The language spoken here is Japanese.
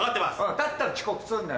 だったら遅刻すんなよ。